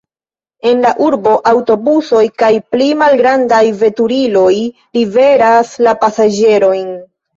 En la urbo aŭtobusoj kaj pli malgrandaj veturiloj liveras la pasaĝerojn.